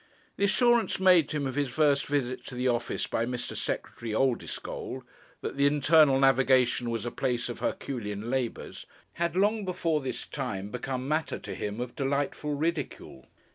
The assurance made to him on his first visit to the office by Mr. Secretary Oldeschole, that the Internal Navigation was a place of herculean labours, had long before this time become matter to him of delightful ridicule.